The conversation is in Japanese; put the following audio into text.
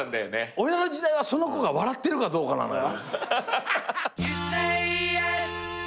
俺の時代はその子が笑ってるかどうかなのよ。